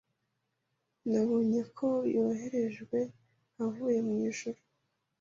Nabonye ko yoherejwe avuye mu ijuru